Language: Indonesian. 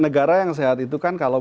negara yang sehat itu kan kalau